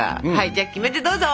じゃあキメテどうぞ！